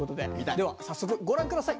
では早速ご覧下さい。